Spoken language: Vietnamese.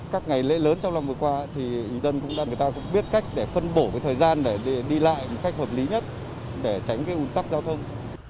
các ngày lễ lớn trong lòng vừa qua thì dân cũng biết cách để phân bổ thời gian để đi lại một cách hợp lý nhất để tránh cái u tắc giao thông